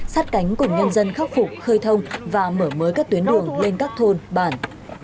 sát cánh của nhân dân khắc phục khơi thông và mở mới các tuyến đường lên các thôn bản